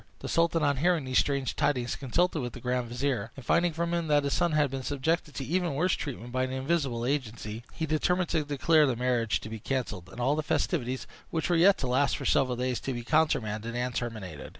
The sultan, on hearing these strange tidings, consulted with the grand vizier; and finding from him that his son had been subjected to even worse treatment by an invisible agency, he determined to declare the marriage to be cancelled, and all the festivities, which were yet to last for several days, to be countermanded and terminated.